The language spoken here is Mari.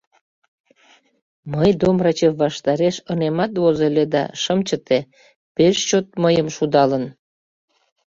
Мый Домрачев ваштареш ынемат возо ыле да шым чыте: пеш чот мыйым шудалын.